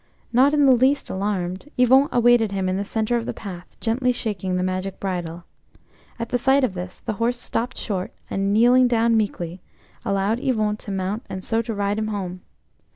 Not in the least alarmed, Yvon awaited him in the centre of the path, gently shaking the magic bridle. At the sight of this the horse stopped short, and kneeling down meekly, allowed Yvon to mount and so to ride him home.